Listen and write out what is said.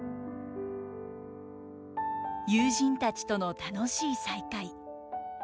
友人たちとの楽しい再会。